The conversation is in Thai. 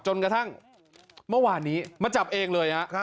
จนกระทั่งเมื่อวานนี้มาจับเองเลย